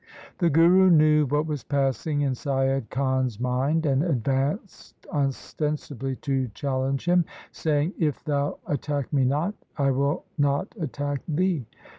The Guru knew what was passing in Saiyad Khan's mind, and advanced ostensibly to challenge him, saying, ' If thou attack me not, I will not attack thee.'